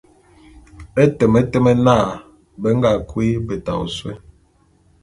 E temetem na, be nga kui beta ôsôé.